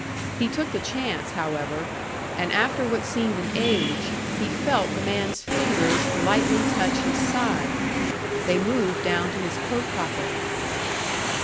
He took the chance, however; and after what seemed an age, he felt the man's fingers lightly touch his side. They moved down to his coat pocket.